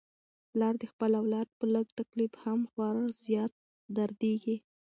پلار د خپل اولاد په لږ تکلیف هم خورا زیات دردیږي.